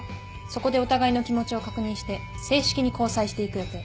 そこでお互いの気持ちを確認して正式に交際していく予定。